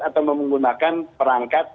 atau menggunakan perangkat